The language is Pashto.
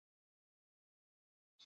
د انار دانې کول وخت نیسي.